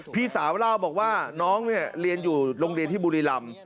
พี่สาวเล่าบอกว่าน้องเนี่ยเรียนอยู่โรงเรียนที่บุรีรำ